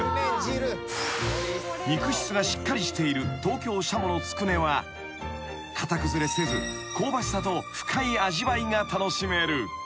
［肉質がしっかりしている東京しゃものつくねは形崩れせず香ばしさと深い味わいが楽しめる］